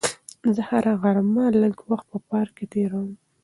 زه هره غرمه لږ وخت په پارک کې تېروم.